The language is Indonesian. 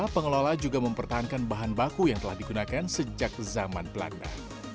pengelola juga mempertahankan bahan baku yang telah digunakan sejak zaman belanda